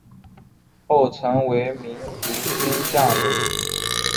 后成为民族军将领。